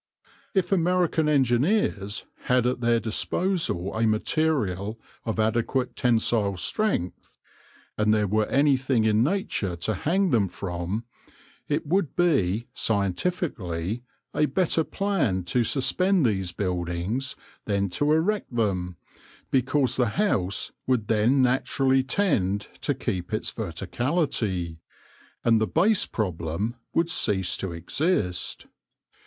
If American engineers had at their disposal a material of adequate tensile strength, and there were anything in nature to hang them from, it would be, scientifically, a better plan to suspend these buildings than to erect them, because the house would then naturally tend to keep its verticality, and the base problem would cease to exist.